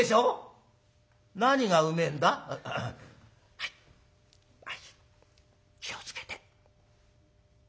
はいはい気を付けて。